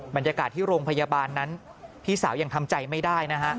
บรรยากาศที่โรงพยาบาลนั้นพี่สาวยังทำใจไม่ได้นะฮะ